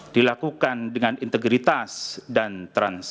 dilakukan dengan integritas dan transparan